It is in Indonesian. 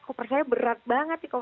koper saya berat banget nih